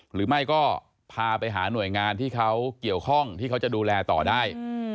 หรือไม่ก็พาไปหาหน่วยงานที่เขาเกี่ยวข้องที่เขาจะดูแลต่อได้